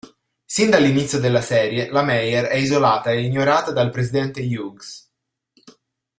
Sin dall'inizio della serie la Meyer è isolata e ignorata dal Presidente Hughes.